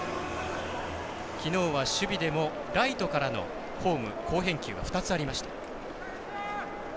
きのうは守備でもライトからのホーム好返球が好返球が２つありました。